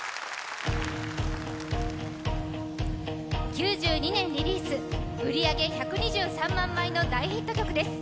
９２年リリース売り上げ１２３万枚の大ヒット曲です。